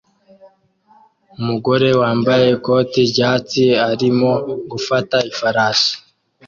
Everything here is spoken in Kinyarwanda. Umugore wambaye ikoti ryatsi arimo gufata ifarashi